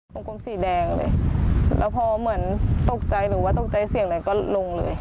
กลมสีแดงเลยแล้วพอเหมือนตกใจหรือว่าตกใจเสียงอะไรก็ลงเลย